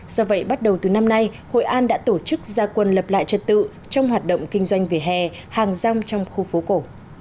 do vậy bắt đầu từ năm nay hội an đã tổ chức gia quân lập lại trật tự trong hoạt động kinh doanh về hè hàng rong trong khu phố cổ